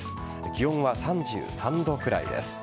気温は３３度くらいです。